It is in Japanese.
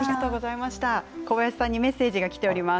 小林さんにメッセージがきています。